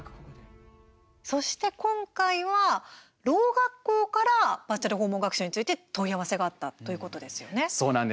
そして今回はろう学校からバーチャル訪問学習について問い合わせがあったということですよね。